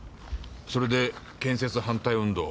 それで建設反対運動を。